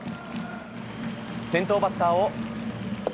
先頭バッターを。